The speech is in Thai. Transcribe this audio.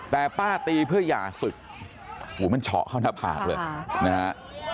แต่ป้าตีเพื่อหย่าศึกมันเฉาะเข้าหน้าผากเลยนะฮะ